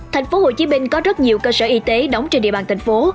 thành phố hồ chí minh có rất nhiều cơ sở y tế đóng trên địa bàn thành phố